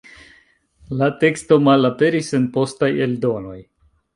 La teksto malaperis en postaj eldonoj.